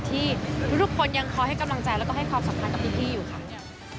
ที่ทุกคนยังคอยให้กำลังใจแล้วก็ให้ความสำคัญกับพี่อยู่ค่ะ